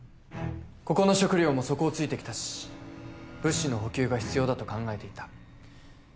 ここの食料も底を突いて来たし物資の補給が必要だと考えていた。